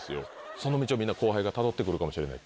その道をみんな後輩がたどって来るかもしれない。